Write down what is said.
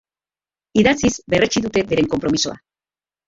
Idatziz berretsi dute beren konpromisoa.